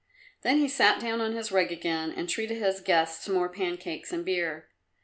Then he sat down on his rug again, and treated his guests to more pancakes and beer.